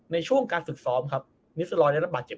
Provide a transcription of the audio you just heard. ในช่วงการศึกซ้อมครับ